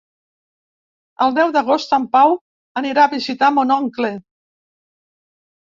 El deu d'agost en Pau anirà a visitar mon oncle.